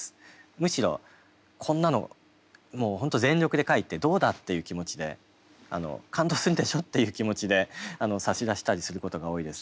むしろこんなの本当全力で書いてどうだ！っていう気持ちで感動するでしょっていう気持ちで差し出したりすることが多いです。